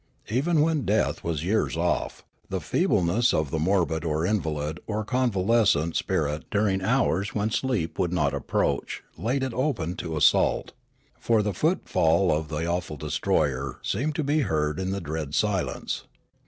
Even when death was years off, the feebleness of the morbid or invalid or convalescent spirit during hours when sleep would not approach laid it open to assault; for the footfall of the awful destroyer seemed to be heard in the dread silence.